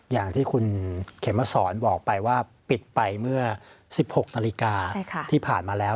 อย่างที่คุณเขมสอนบอกไปว่าปิดไปเมื่อ๑๖นาฬิกาที่ผ่านมาแล้ว